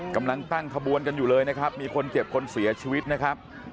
กำลังตั้งขบวนกันอยู่เลยนะครับมีคนเจ็บคนเสียชีวิตนะครับ